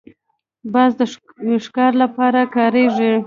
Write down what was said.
باز د ښکار لپاره کارېږي